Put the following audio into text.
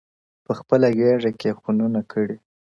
په خپله غـېــږه كـــي خـــونـــونـــه كــــــــــړي؛